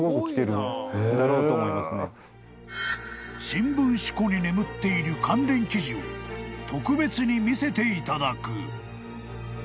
［新聞紙庫に眠っている関連記事を特別に見せていただく］